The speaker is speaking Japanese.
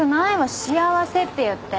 幸せって言って。